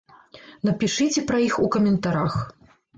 Напішыце пра іх у каментарах!